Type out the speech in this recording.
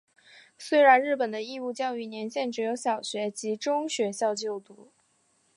虽然日本的义务教育年限只有小学及中学校就读。